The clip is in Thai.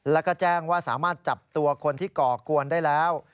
แล้วก็แจ้งว่าสามารถจับตัวคนที่ก่อกวนได้แล้ว